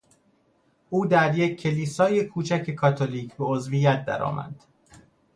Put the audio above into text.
او در یک کلیسای کوچک کاتولیک به عضویت درآمد.